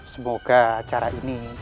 semoga acara ini